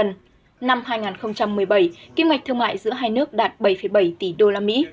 năm hai nghìn một mươi bảy kim ngạch thương mại giữa hai nước đạt bảy bảy tỷ usd